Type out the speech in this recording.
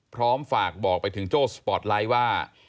พร้อมฝากบอกไปถึงโจ้สปอร์ตไลท์ว่า